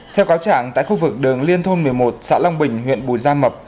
theo cáo trạng tại khu vực đường liên thôn một mươi một xã long bình huyện bù gia mập